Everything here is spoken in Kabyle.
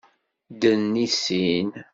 Ddren i sin.